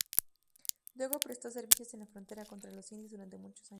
Luego prestó servicios en la frontera contra los indios durante muchos años.